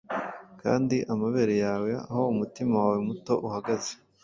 kandi amabere yawe Aho umutima wawe muto uhagaze.